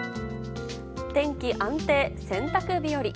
天気安定、洗濯日和。